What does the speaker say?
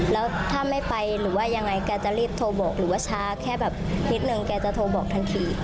แล้วถ้าไม่ไปหรือว่ายังไงแกจะรีบโทรบอกหรือว่าช้าแค่แบบนิดนึงแกจะโทรบอกทันที